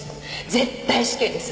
絶対死刑です！